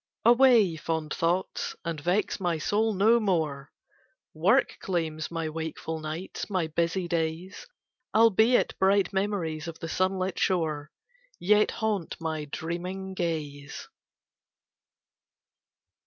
Away, fond thoughts, and vex my soul no more! Work claims my wakeful nights, my busy days, Albeit bright memories of the sunlit shore Yet haunt my dreaming gaze.